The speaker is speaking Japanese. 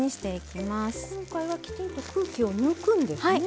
今回はきちんと空気を抜くんですね。